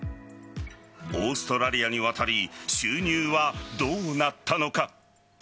オーストラリアに渡り収入はどうなったのか。